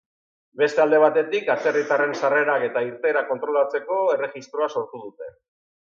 Beste alde batetik, atzerritarren sarrerak eta irteerak kontrolatzeko erregistroa sortu dute.